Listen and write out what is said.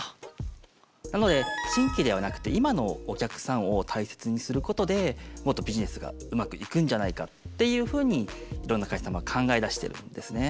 なので新規ではなくて今のお客さんを大切にすることでもっとビジネスがうまくいくんじゃないかっていうふうにいろんな会社様が考え出してるんですね。